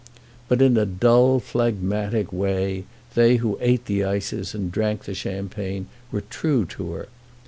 But in a dull, phlegmatic way, they who ate the ices and drank the champagne were true to her.